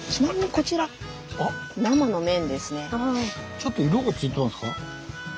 ちょっと色がついてますか？